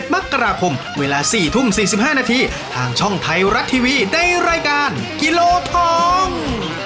มกราคมเวลา๔ทุ่ม๔๕นาทีทางช่องไทยรัฐทีวีในรายการกิโลทอง